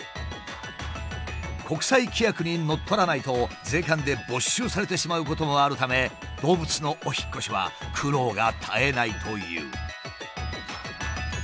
国際規約にのっとらないと税関で没収されてしまうこともあるため動物のお引っ越しは苦労が絶えないという。